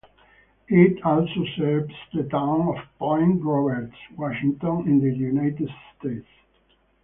It also serves the town of Point Roberts, Washington, in the United States.